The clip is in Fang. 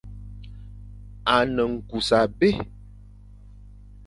A ne nkus abé.